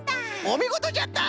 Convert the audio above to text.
おみごとじゃった！